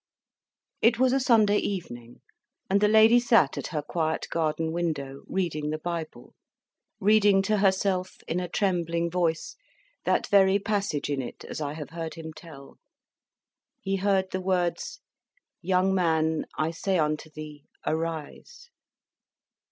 It was a Sunday evening, and the lady sat at her quiet garden window, reading the Bible; reading to herself, in a trembling voice, that very passage in it, as I have heard him tell. He heard the words: "Young man, I say unto thee, arise!"